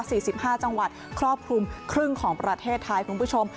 สี่สิบห้าจังหวัดครอบคลุมครึ่งของประเทศไทยคุณผู้ชม